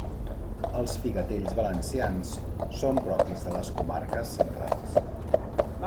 Els figatells valencians, són propis de les comarques centrals.